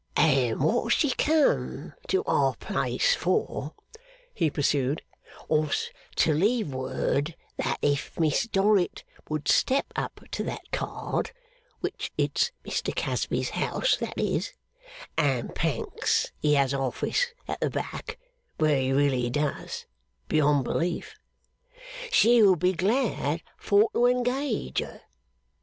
'And what she come to our place for,' he pursued, 'was to leave word that if Miss Dorrit would step up to that card which it's Mr Casby's house that is, and Pancks he has a office at the back, where he really does, beyond belief she would be glad for to engage her.